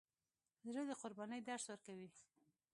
زړه د قربانۍ درس ورکوي.